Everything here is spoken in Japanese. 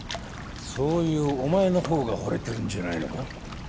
そういうお前の方がほれてるんじゃないのか？